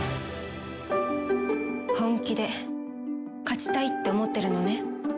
本気で勝ちたいって思ってるのね？